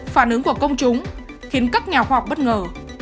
phản ứng của công chúng khiến các nhà khoa học bất ngờ